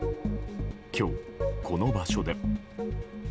今日、この場所で。